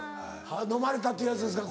のまれたっていうやつですか。